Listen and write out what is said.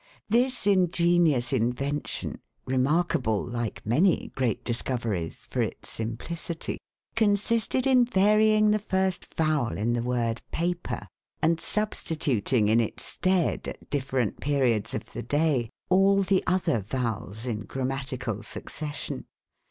This ingenious inven tion, remarkable, like many great discoveries, for its simplicity, consisted in varying the first vowel in the word " paper," and substituting, in its stead, at different periods of the day, all the other vowels in grammatical succession.